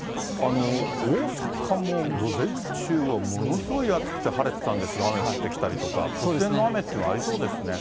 大阪も午前中はものすごい暑くて晴れてたんですが、雨降ってきたりとか、突然の雨っていうのはありそうですね。